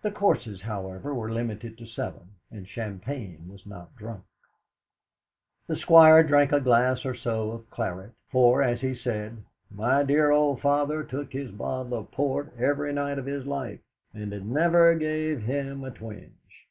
The courses, however, were limited to seven, and champagne was not drunk. The Squire drank a glass or so of claret, for, as he said, "My dear old father took his bottle of port every night of his life, and it never gave him a twinge.